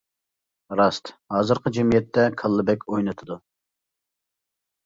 راست، ھازىرقى جەمئىيەتتە كاللا بەك ئوينىتىدۇ.